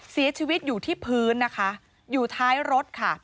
เสียชีวิตอยู่ที่พื้นอยู่ท้ายรถ